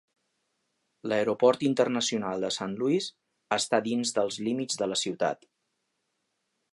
L'aeroport internacional de St. Louis està dins dels límits de la ciutat.